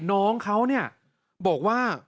น้องเขาเนี่ยบอกว่า